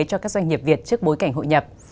cho các doanh nghiệp việt trước bối cảnh hội nhập